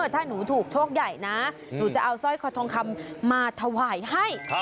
ถ้าหนูถูกโชคใหญ่นะหนูจะเอาสร้อยคอทองคำมาถวายให้